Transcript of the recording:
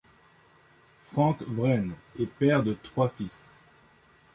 Frank Wren est père de trois fils.